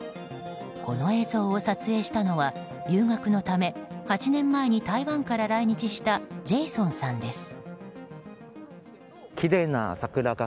この映像を撮影したのは留学のため８年前に台湾から来日したジェイソンさんです。